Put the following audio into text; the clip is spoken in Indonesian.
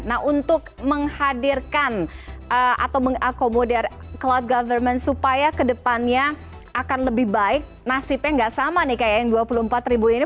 nah untuk menghadirkan atau mengakomodir cloud government supaya kedepannya akan lebih baik nasibnya nggak sama nih kayak yang dua puluh empat ribu ini